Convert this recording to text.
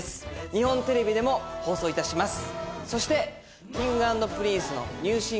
日本テレビでも放送いたします。